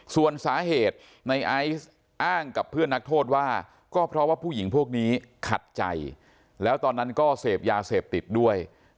ส่วนสาเหตุในไอซ์อ้างกับเพื่อนนักโทษว่าก็เพราะว่าผู้หญิงพวกนี้ขัดใจแล้วตอนนั้นก็เสพยาเสพติดด้วย